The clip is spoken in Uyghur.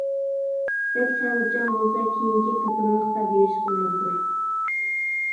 بەك سەۋرچان بولسا، كېيىنكى قېتىملىقتا بېرىشقا مەجبۇر!